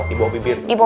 di bawah bibir bibir